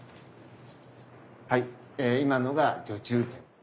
はい今のが序中剣。